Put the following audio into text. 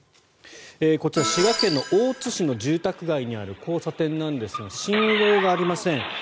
こちら、滋賀県の大津市の住宅街にある交差点なんですが信号がありません。